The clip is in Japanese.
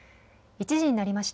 １時になりました。